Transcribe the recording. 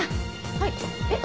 はいえっ？